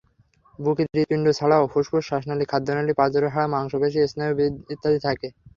বুকে হৃৎপিণ্ড ছাড়াও ফুসফুস, শ্বাসনালি, খাদ্যনালি, পাঁজরের হাড়, মাংসপেশি, স্নায়ু ইত্যাদি থাকে।